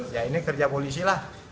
ya ini kerja polisi lah